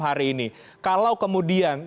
hari ini kalau kemudian